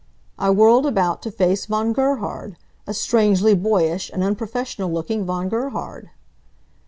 I whirled about to face Von Gerhard; a strangely boyish and unprofessional looking Von Gerhard.